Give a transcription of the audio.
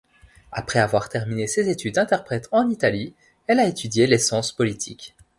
Après avoir terminé ses études d'interprète en Italie, elle a étudié les sciences politiques.